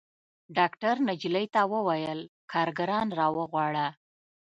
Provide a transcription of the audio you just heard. ډاکتر نجلۍ ته وويل کارګران راوغواړه.